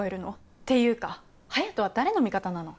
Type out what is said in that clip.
っていうか隼斗は誰の味方なの？